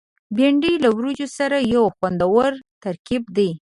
بېنډۍ له وریجو سره یو خوندور ترکیب دی